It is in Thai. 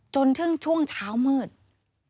จนถึงช่วงเช้าเมือง